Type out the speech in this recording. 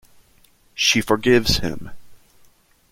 She forgives him.